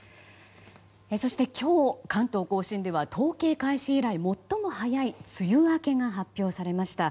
そして今日、関東・甲信では統計開始以来最も早い梅雨明けが発表されました。